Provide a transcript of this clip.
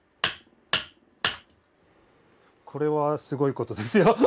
これはすごいことですよ。